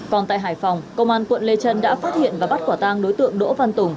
còn tại hải phòng công an quận lê trân đã phát hiện và bắt quả tang đối tượng đỗ văn tùng